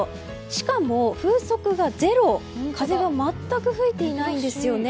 しかも風速が０風が全く吹いていないんですよね。